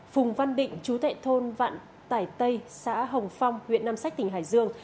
phùng văn định chú tệ thôn vạn tải tây xã hồng phong huyện nam sách tỉnh hải dương